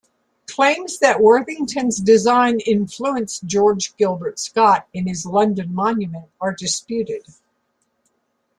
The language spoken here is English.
Claims that Worthington's design influenced George Gilbert Scott in his London monument are disputed.